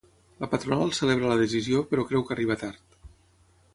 La patronal celebra la decisió, però creu que arriba tard.